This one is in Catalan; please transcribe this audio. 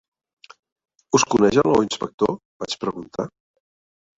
"Us coneix el nou inspector?" vaig preguntar.